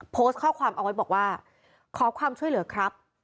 โพสต์ข้อความเอาไว้บอกว่าขอความช่วยเหลือครับ